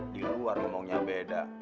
di luar ngomongnya beda